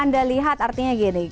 anda lihat artinya gini